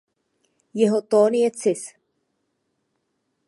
Jeho tón je cis.